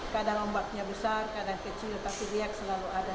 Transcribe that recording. kadang ombaknya besar kadang kecil tapi dia selalu ada